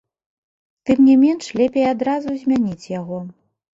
Тым не менш лепей адразу змяніць яго.